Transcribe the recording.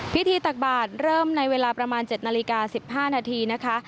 ตักบาทเริ่มในเวลาประมาณ๗นาฬิกา๑๕นาทีนะคะ